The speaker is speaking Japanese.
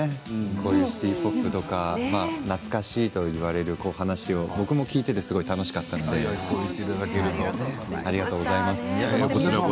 こういうシティ・ポップとか懐かしいといわれる話を僕も聞いていてすごい楽しかったのでありがとうございます。